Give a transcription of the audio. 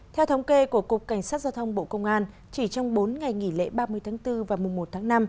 theo thống kê của cục cảnh sát giao thông bộ công an chỉ trong bốn ngày nghỉ lễ ba mươi tháng bốn và mùa một tháng năm